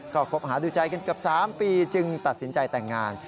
ก็คบหาดูใจกันเกือบ๓ปีจึงตัดสินใจแต่งงาน